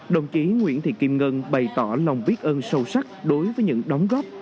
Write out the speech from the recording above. đồng chí nguyễn thị kim ngân bày tỏ lòng biết ơn sâu sắc đối với những đóng góp